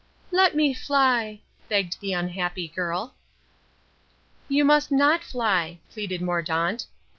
"Let me fly," begged the unhappy girl. "You must not fly," pleaded Mordaunt.